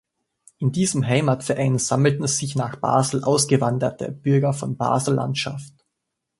In diesem Heimatverein sammelten sich nach Basel «ausgewanderte» Bürger von Basel-Landschaft.